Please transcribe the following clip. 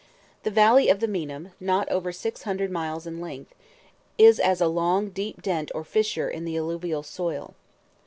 The valley of the Meinam, not over six hundred miles in length, is as a long deep dent or fissure in the alluvial soil.